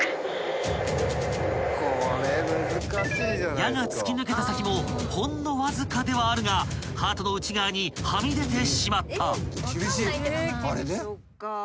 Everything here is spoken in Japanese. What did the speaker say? ［矢が突き抜けた先もほんのわずかではあるがハートの内側にはみ出てしまった］